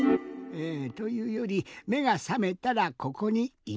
というよりめがさめたらここにいました。